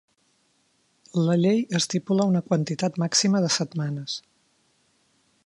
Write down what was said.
La llei estipula una quantitat màxima de setmanes.